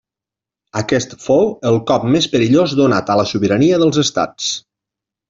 Aquest fou el cop més perillós donat a la sobirania dels estats.